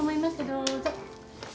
どうぞ。